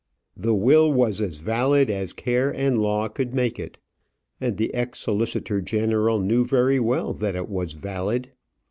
The will was as valid as care and law could make it, and the ex solicitor general knew very well that it was valid.